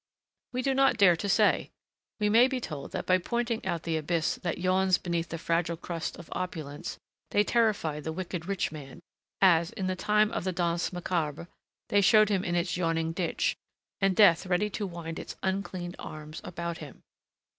We do not dare to say. We may be told that by pointing out the abyss that yawns beneath the fragile crust of opulence, they terrify the wicked rich man, as, in the time of the Danse Macabre, they showed him its yawning ditch, and Death ready to wind its unclean arms about him.